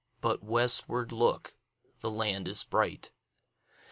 But westward, look, the land is bright!